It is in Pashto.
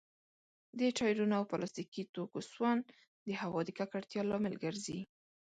د ټايرونو او پلاستيکي توکو سون د هوا د ککړتيا لامل ګرځي.